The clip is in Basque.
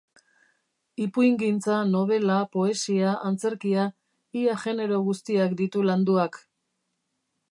Ipuingintza, nobela, poesia, antzerkia, ia genero guztiak ditu landuak.